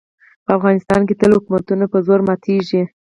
په افغانستان کې تل حکومتونه په زور ماتېږي.